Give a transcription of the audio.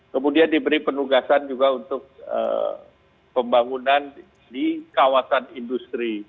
kemudian diberi penugasan juga untuk pembangunan di kawasan industri